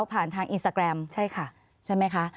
ขอบคุณครับ